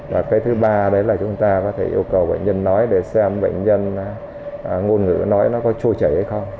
và cái thứ ba đấy là chúng ta có thể yêu cầu bệnh nhân nói để xem bệnh nhân ngôn ngữ nói nó có trôi chảy hay không